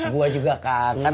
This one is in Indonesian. gue juga kangen